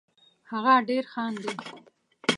هغه ډېر خاندي